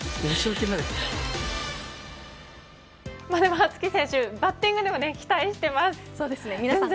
羽月選手バッティングにも期待してます。